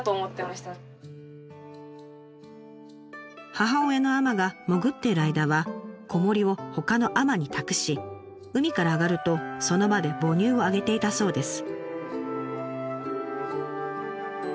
母親の海女が潜っている間は子守をほかの海女に託し海から上がるとその場で母乳をあげていたそうです。